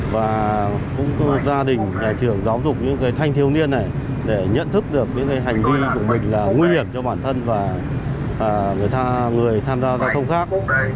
và cũng gia đình nhà trường giáo dục những thanh thiếu niên này để nhận thức được những hành vi của mình là nguy hiểm cho bản thân và người tham gia giao thông khác